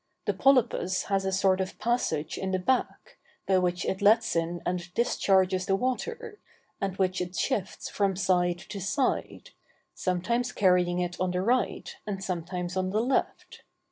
The polypus has a sort of passage in the back, by which it lets in and discharges the water, and which it shifts from side to side, sometimes carrying it on the right, and sometimes on the left.